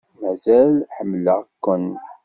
Mazal ḥemmleɣ-ken.